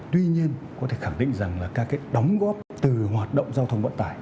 tuy nhiên có thể khẳng định rằng là các cái đóng góp từ hoạt động giao thông vận tải